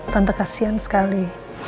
tante kasian sekali